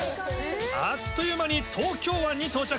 あっという間に東京湾に到着。